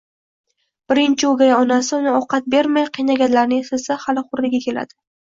Birinchi o`gay onasi uni ovqat bermay qiynaganlarini eslasa hali xo`rligi keladi